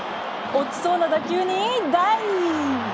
落ちそうな打球にダイブ！